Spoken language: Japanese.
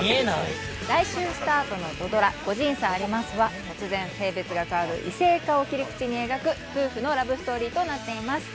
来週スタートの土ドラ『個人差あります』は突然性別が変わる異性化を切り口に描く夫婦のラブストーリーとなっています。